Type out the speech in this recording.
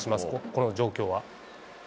この状況は。